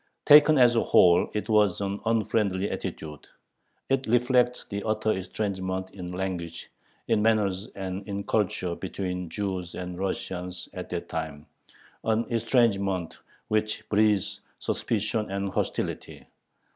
Taken as a whole it was an unfriendly attitude. It reflects the utter estrangement in language, in manners, and in culture between Jews and Russians at that time, an estrangement which breeds suspicion and hostility.